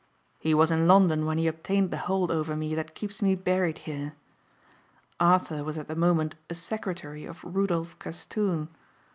"He was in London when he obtained the hold over me that keeps me buried here. Arthur was at the moment a secretary of Rudolph Castoon.